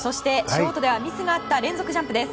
ショートではミスのあった連続ジャンプです。